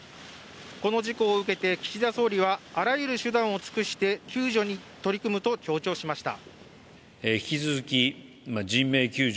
この事故を受けて岸田総理はあらゆる手段を尽くして救助に取り組むと強調しました。